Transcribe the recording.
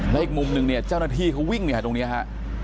และอีกมุมหนึ่งเนี่ยเจ้าหน้าที่เขาวิ่งเนี่ยตรงนี้ฮะ